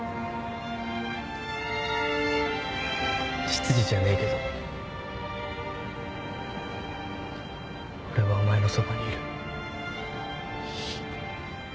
執事じゃねえけど俺はお前のそばにいる。